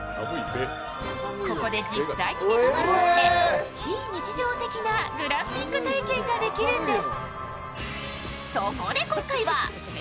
ここで実際に寝泊まりをして、非日常的なグランピング体験ができるんです。